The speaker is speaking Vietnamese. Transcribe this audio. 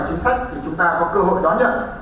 chính sách để chúng ta có cơ hội đón nhận